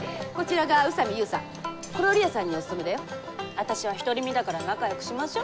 あたしは独り身だから仲よくしましょ。